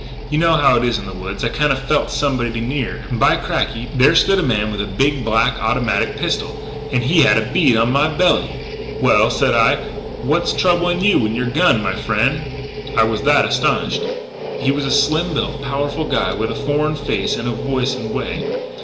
You know how it is in the woods.... I kinda felt somebody near. And, by cracky! there stood a man with a big, black automatic pistol, and he had a bead on my belly. "'Well,' said I, 'what's troubling you and your gun, my friend?' I was that astonished. "He was a slim built, powerful guy with a foreign face and voice and way.